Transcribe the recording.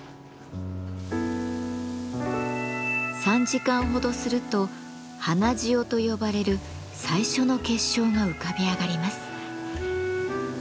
３時間ほどすると花塩と呼ばれる最初の結晶が浮かび上がります。